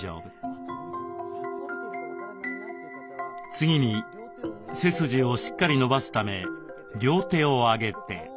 次に背筋をしっかり伸ばすため両手を上げて。